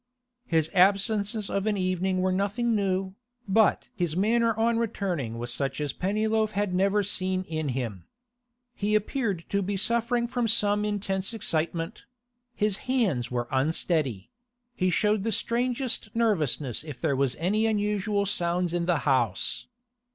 His absences of an evening were nothing new, but his manner on returning was such as Pennyloaf had never seen in him. He appeared to be suffering from some intense excitement; his hands were unsteady; he showed the strangest nervousness if there were any unusual sounds in the house.